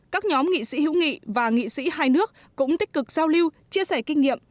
các nhóm nghị sĩ hữu nghị và nghị sĩ hai nước cũng tích cực giao lưu chia sẻ kinh nghiệm